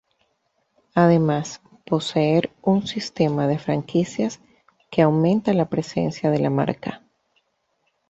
Además, poseen un sistema de franquicias que aumenta la presencia de la marca.